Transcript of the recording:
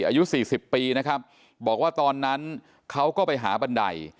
อายุสี่สิบปีนะครับบอกว่าตอนนั้นเขาก็ไปหาบันได